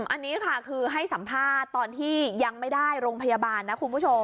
อันนี้ค่ะคือให้สัมภาษณ์ตอนที่ยังไม่ได้โรงพยาบาลนะคุณผู้ชม